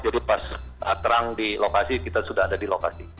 jadi pas terang di lokasi kita sudah ada di lokasi